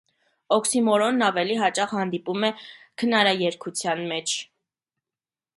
Օքսիմորոնն ավելի հաճախ հանդիպում է քնարերգության մեջ։